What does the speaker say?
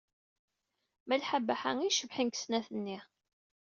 Malḥa Baḥa i icebḥen deg snat-nni.